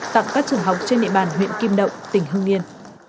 tặng các trường học trên địa bàn huyện kim đậu tỉnh hưng yên